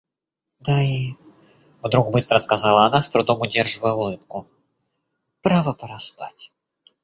Да и... — вдруг быстро сказала она, с трудом удерживая улыбку, — право пора спать.